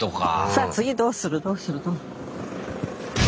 さぁ次どうするどうする。